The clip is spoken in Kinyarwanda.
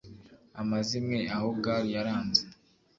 Amazimwe aho gall yaranze